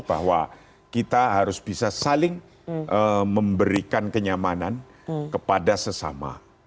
bahwa kita harus bisa saling memberikan kenyamanan kepada sesama